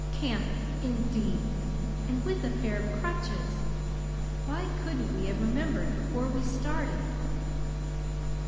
Camping, indeed! and with a pair of crutches! Why couldn't we have remembered before we started?"